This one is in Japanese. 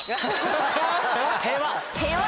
平和！